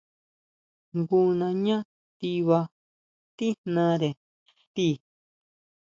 Jngu nañá tiba tíjnare ti.